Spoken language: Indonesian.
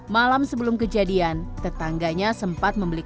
malam sebelum kejadian tetangganya sempat membeli